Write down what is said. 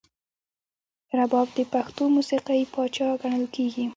رباب د پښتو موسیقۍ پاچا ګڼل کیږي.